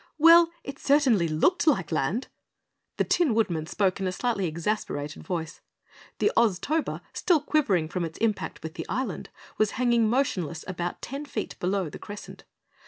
"Well, it certainly looked like land!" The Tin Woodman spoke in a slightly exasperated voice. The Oztober, still quivering from its impact with the island, was hanging motionless about ten feet below the Crescent.